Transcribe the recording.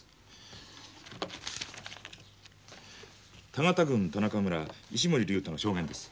田方郡田中村石森隆太の証言です。